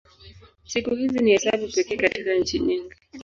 Siku hizi ni hesabu pekee katika nchi nyingi.